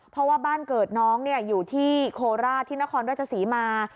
เพราะว่าบ้านเกิดน้องอยู่ที่โคราชที่นครราชศรีมา